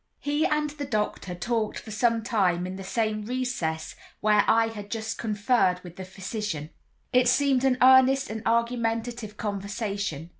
He and the doctor talked for some time in the same recess where I had just conferred with the physician. It seemed an earnest and argumentative conversation.